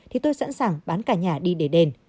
thì tôi sẵn sàng bán cả nhà đi để đền